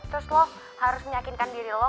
terus lo harus meyakinkan diri lo